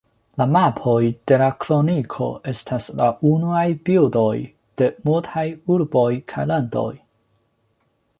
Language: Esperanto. La mapoj de la Kroniko estis la unuaj bildoj de multaj urboj kaj landoj.